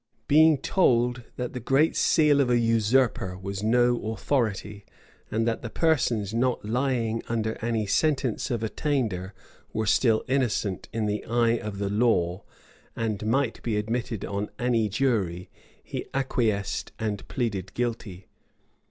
Being told that the great seal of a usurper was no authority, and that persons not lying under any sentence of attainder were still innocent in the eye of the law, and might be admitted on any jury,[] he acquiesced, and pleaded guilty.